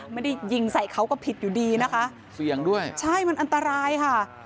ไม่ได้ยิงใส่เขาก็ผิดอยู่ดีนะคะเสี่ยงด้วยใช่มันอันตรายค่ะ